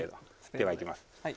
では行きます。